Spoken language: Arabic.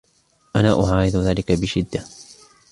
أنا أعارض ذلك بشدة